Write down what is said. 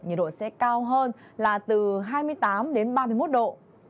nhiệt độ sẽ cao hơn là từ hai mươi tám đến ba mươi một độ